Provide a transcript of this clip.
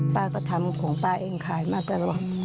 ป้าก็ทำของป้าเองขายมาตลอด